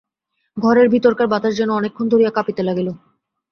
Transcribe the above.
ঘরের ভিতরকার বাতাস যেন অনেকক্ষণ ধরিয়া কাঁপিতে লাগিল।